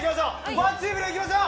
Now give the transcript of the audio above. ワンチームで行きましょう！